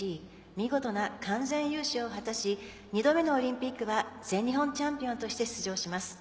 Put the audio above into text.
見事な完全優勝を果たし２度目のオリンピックは全日本チャンピオンとして出場します。